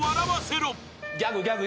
ギャグギャグ。